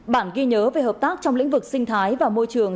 một mươi năm bản ghi nhớ về hợp tác trong lĩnh vực sinh thái và môi trường